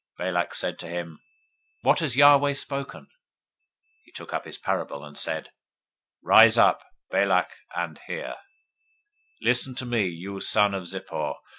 Balak said to him, What has Yahweh spoken? 023:018 He took up his parable, and said, Rise up, Balak, and hear! Listen to me, you son of Zippor.